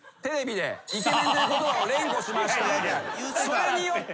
それによって。